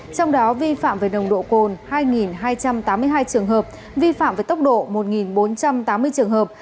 trong đó vi phạm về nồng độ cồn hai hai trăm tám mươi hai trường hợp vi phạm về tốc độ một bốn trăm tám mươi trường hợp